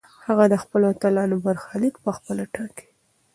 هغه د خپلو اتلانو برخلیک پخپله ټاکلی و.